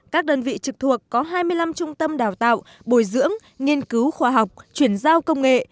các đơn vị trực thuộc có hai mươi năm trung tâm đào tạo bồi dưỡng nghiên cứu khoa học chuyển giao công nghệ